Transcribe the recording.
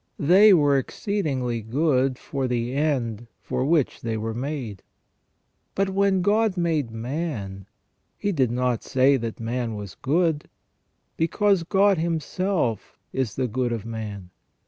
They were exceedingly good for the end for which they were made. But when God made man, He did not say that man was good, because God Himself is the good of man.